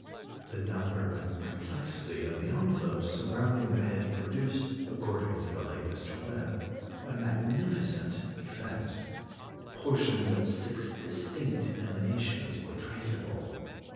The number and complexity of the envelopes surrounding the head produced, according to the late Mr. Webb, a magnificent effect. Portions of six distinct emanations were traceable.